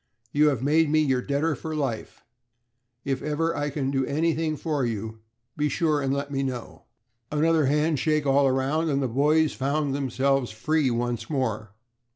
You have made me your debtor for life. If I can ever do anything for you, be sure and let me know." Another handshake all around, and the boys found themselves free once more.